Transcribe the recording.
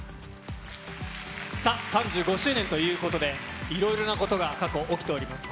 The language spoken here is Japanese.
３５周年ということで、いろいろなことが過去起きております。